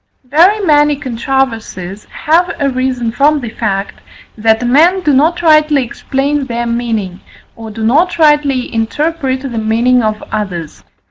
Very many controversies have arisen from the fact, that men do not rightly explain their meaning, or do not rightly interpret the meaning of others.